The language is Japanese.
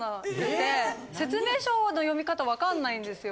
・説明書の読み方わかんないんですよ。